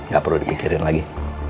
gak perlu dipikirin lagi